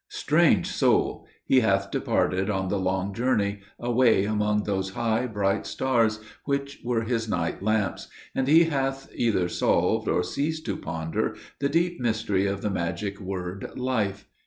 Strange soul! he hath departed on the long journey, away among those high, bright stars, which were his night lamps; and he hath either solved or ceased to ponder the deep mystery of the magic word, "life."